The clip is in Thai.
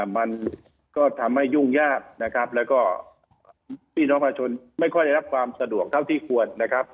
มันก็ทำให้ยุ่งยากนะครับแล้วก็พี่น้องประชาชนไม่ค่อยได้รับความสะดวกเท่าที่ควรนะครับ